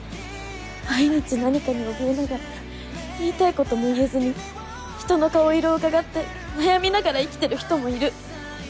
毎日何かにおびえながら言いたいことも言えずに人の顔色うかがって悩みながら生きてる人もいる。